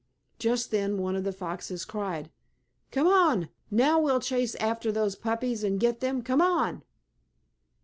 Just then one of the foxes cried: "Come on. Now we'll chase after those puppies, and get them. Come on!"